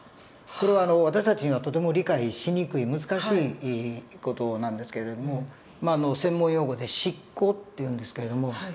これは私たちにはとても理解しにくい難しい事なんですけれどもまあ専門用語で失行っていうんですけれども。